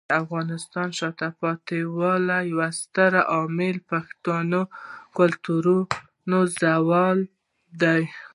د افغانستان د شاته پاتې والي یو ستر عامل پښتنو کلتوري زوال دی.